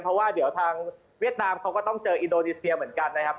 เพราะว่าเดี๋ยวทางเวียดนามเขาก็ต้องเจออินโดนีเซียเหมือนกันนะครับ